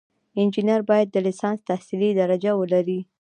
انجینر باید د لیسانس تحصیلي درجه ولري.